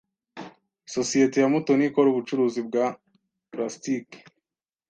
Isosiyete ya Mutoni ikora ubucuruzi bwa plastiki.